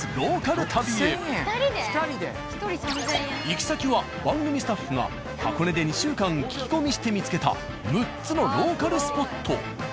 行き先は番組スタッフが箱根で２週間聞き込みして見つけた６つのローカルスポット。